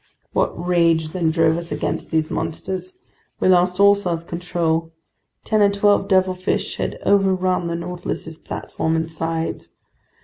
What rage then drove us against these monsters! We lost all self control. Ten or twelve devilfish had overrun the Nautilus's platform and sides.